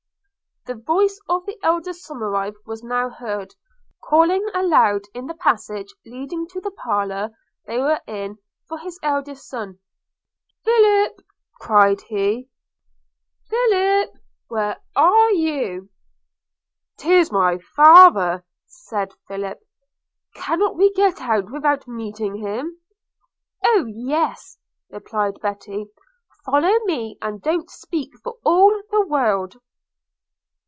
The voice of the elder Somerive was now heard, calling aloud in the passage leading to the parlour they were in for his eldest son, 'Philip!' cried he, 'Philip! – where are you?' "Tis my father,' said Philip – 'Cannot we get out without meeting him?' 'Oh yes,' replied Betty; 'follow me, and don't speak for all the world.'